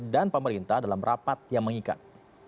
dan pemerintah dalam rapat yang mengikat